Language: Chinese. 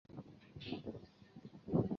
美国总统甘乃迪亦曾患此病。